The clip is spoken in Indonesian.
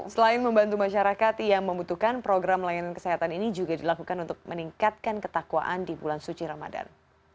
selain membantu masyarakat yang membutuhkan program layanan kesehatan ini juga dilakukan untuk meningkatkan ketakwaan di bulan suci ramadan